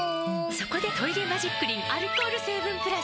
そこで「トイレマジックリン」アルコール成分プラス！